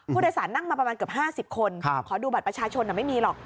ผู้โดยสารนั่งมาประมาณเกือบ๕๐คนขอดูบัตรประชาชนไม่มีหรอก